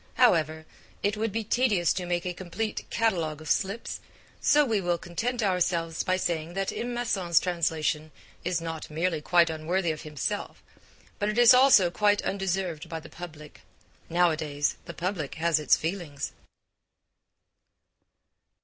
However, it would be tedious to make a complete 'catalogue of slips,' so we will content ourselves by saying that M. Masson's translation is not merely quite unworthy of himself, but is also quite undeserved by the public. Nowadays, the public has its feelings.